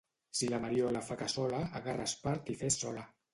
Si la Mariola fa cassola, agarra espart i fes sola.